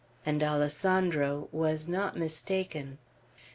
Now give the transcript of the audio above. And Alessandro was not mistaken.